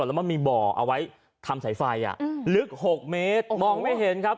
ส่วนแล้วมันมีบ่อเอาไว้ทำสายไฟอ่ะอืมลึกหกเมตรโอ้โหมองไม่เห็นครับ